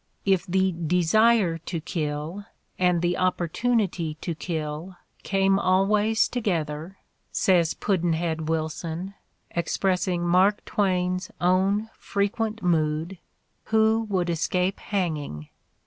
"If the desire to kill and the op portunity to kill came always together," says Pudd'n head Wilson, expressing Mark Twain's own frequent mood, "who would escape hanging?"